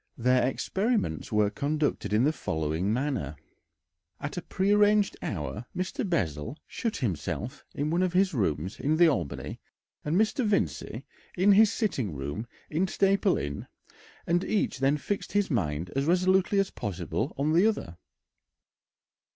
Their experiments were conducted in the following manner: At a prearranged hour Mr. Bessel shut himself in one of his rooms in the Albany and Mr. Vincey in his sitting room in Staple Inn, and each then fixed his mind as resolutely as possible on the other.